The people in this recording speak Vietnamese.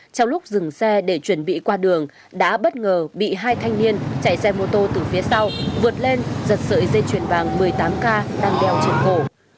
trong lúc dừng xe để chuẩn bị qua đường đã bất ngờ bị hai thanh niên chạy xe mô tô từ phía sau vượt lên giật sợi dây chuyền vàng một mươi tám k đang đeo trên cổ